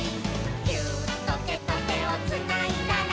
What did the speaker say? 「ギューッとてとてをつないだら」